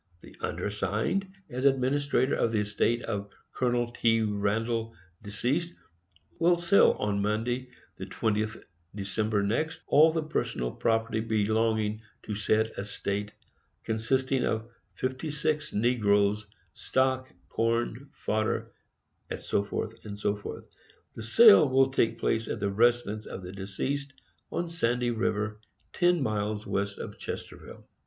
The undersigned, as Administrator of the Estate of Col. T. Randell, deceased, will sell, on MONDAY, the 20th December next, all the personal property belonging to said estate, consisting of 56 NEGROES, STOCK, CORN, FODDER, &c. &c. The sale will take place at the residence of the deceased, on Sandy River, 10 miles West of Chesterville.